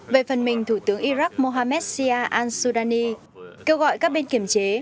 về phần mình thủ tướng iraq mohamed sianai soudani kêu gọi các bên kiểm chế